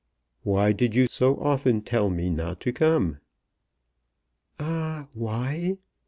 "Why did you so often tell me not to come?" "Ah, why?